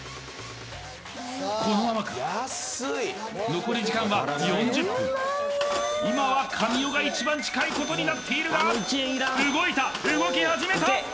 残り時間は４０分今は神尾が一番近いことになっているが動いた動き始めた